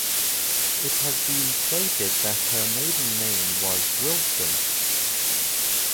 It has been stated that her maiden name was Wilson.